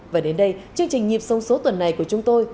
và đến đây chương trình nhịp sông số tuần này của chúng tôi